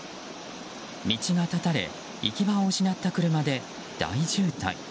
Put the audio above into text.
道が断たれ行き場を失った車で大渋滞。